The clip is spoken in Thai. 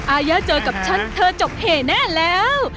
อายาเจอกับชั้นเธอจบเหน่าแล้ว